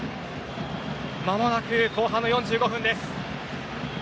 まもなく後半の４５分です。